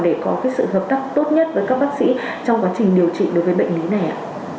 để có sự hợp tác tốt nhất với các bác sĩ trong quá trình điều trị đối với bệnh lý này ạ